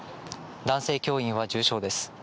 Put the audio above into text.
男性教員は重傷です。